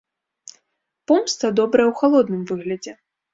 Помста добрая ў халодным выглядзе.